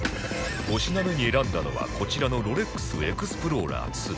５品目に選んだのはこちらのロレックスエクスプローラー Ⅱ